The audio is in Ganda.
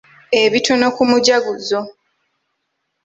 Ebitono ku mujaguzo.